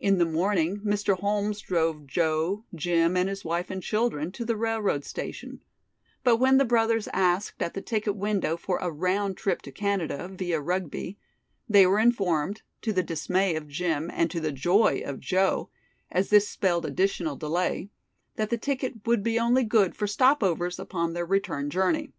In the morning Mr. Holmes drove Joe, Jim and his wife and children to the railroad station, but when the brothers asked at the ticket window for a round trip ticket to Canada, via Rugby, they were informed to the dismay of Jim and to the joy of Joe, as this spelled additional delay that the ticket would be only good for stop overs upon their return journey.